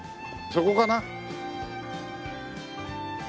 そこかな。